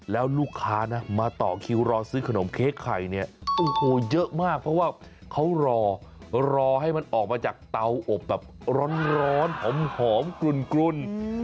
แล้วลูกค้านะมาต่อคิวรอซื้อขนมเค้กไข่เนี่ยโอ้โหเยอะมากเพราะว่าเขารอรอให้มันออกมาจากเตาอบแบบร้อนหอมกลุ่น